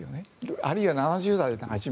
あるいは７０代の初め。